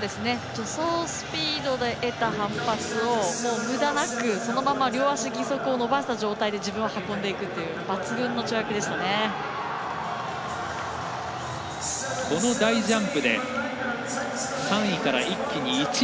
助走スピードで得た反発をむだなく、そのまま両足義足を伸ばした状態で自分を運んでいくというこの大ジャンプで３位から一気に１位。